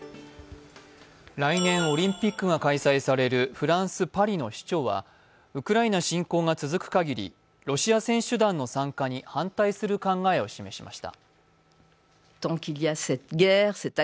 来年、オリンピックが開催されるフランス・パリの市長はウクライナ侵攻が続く限りロシア選手団の参加に反対する考えを示しました。